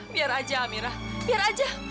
biar aja amirah biar aja